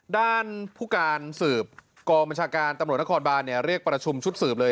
ด้านผู้การสืบกองบัญชาการตำรวจนครบานเรียกประชุมชุดสืบเลย